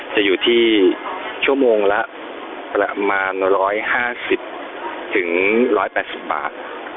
จะอยู่ที่ชั่วโมงละประมาณ๑๕๐๑๘๐บาท